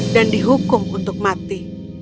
dan dihukum untuk mati